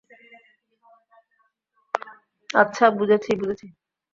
আচ্ছা, বুঝেছি, বুঝেছি।